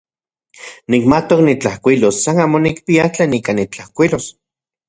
Nikmatok nitlajkuilos, san amo nikpia tlen ika nitlajkuilos.